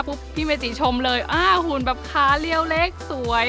ต่อหน้าพี่เมจิชมเลยหุ่นแบบคาเลี้ยวเล็กสวย